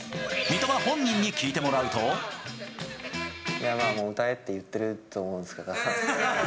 いやまあ、もう歌えって言っていると思うんですけど。